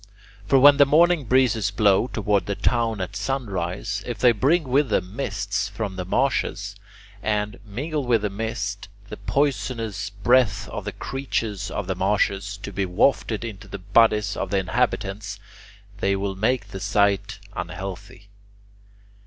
For when the morning breezes blow toward the town at sunrise, if they bring with them mists from marshes and, mingled with the mist, the poisonous breath of the creatures of the marshes to be wafted into the bodies of the inhabitants, they will make the site unhealthy.